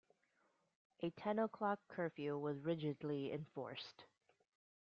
A ten o'clock curfew was rigidly enforced.